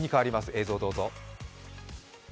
映像どうぞ。